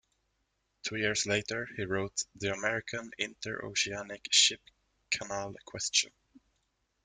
Two years later, he wrote "The American Inter-Oceanic Ship Canal Question".